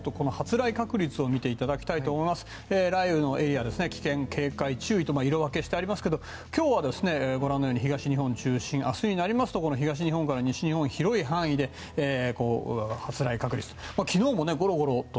雷雨のエリア危険、警戒、注意と色分けしてありますが今日は、ご覧のように東日本が中心ですが明日になると東日本から西日本の広い範囲で発雷確率と。